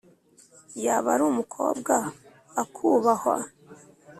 yaba ari umukobwa akubahwa